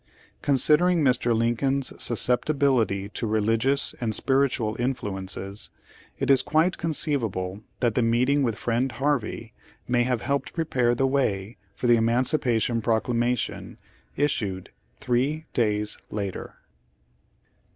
Considering Mr. Lincoln's susceptibility to re ligious and spiritual influences, it is quite con ceivable that the meeting with Friend Harvey may have helped prepare the way for the Eman cipation Proclamation issued three days later.